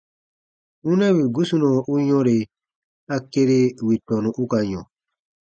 Wunɛ wì gusunɔ u yɔ̃re, a kere wì tɔnu u ka yɔ̃.